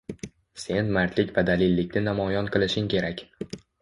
sen mardlik va dalillikni namoyon qilishing kerak.